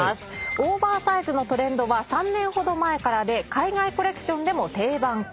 オーバーサイズのトレンドは３年ほど前からで海外コレクションでも定番化。